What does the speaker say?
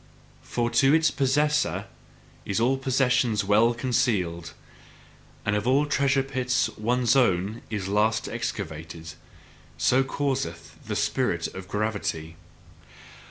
For to its possessor is all possession well concealed, and of all treasure pits one's own is last excavated so causeth the spirit of gravity.